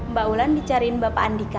mbak ulan dicariin bapak andika